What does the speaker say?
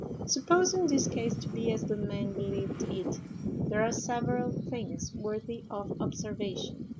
Supposing this case to be as the men believed it, there are several things worthy of observation.